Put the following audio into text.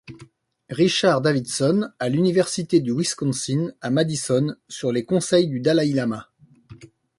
Richard Davidson à l'Université du Wisconsin à Madison, sur les conseils du Dalaï Lama.